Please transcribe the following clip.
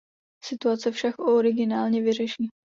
Situace však originálně vyřeší.